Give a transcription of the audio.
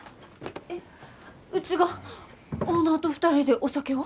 えっうちがオーナーと２人でお酒を？